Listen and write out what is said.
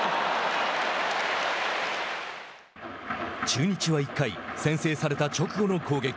中日は１回先制された直後の攻撃。